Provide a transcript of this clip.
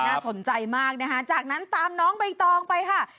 น่าสนใจมากนะคะจากนั้นตามน้องใบตองไปค่ะ